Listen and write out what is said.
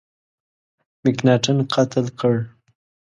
مکناټن قتل کړ.